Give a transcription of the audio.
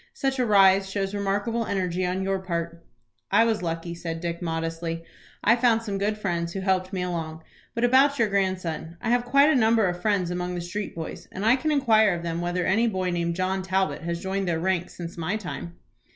Such a rise shows remarkable energy on your part." "I was lucky," said Dick, modestly. "I found some good friends who helped me along. But about your grandson: I have quite a number of friends among the street boys, and I can inquire of them whether any boy named John Talbot has joined their ranks since my time."